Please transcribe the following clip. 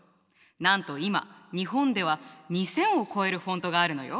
なんと今日本では２，０００を超えるフォントがあるのよ。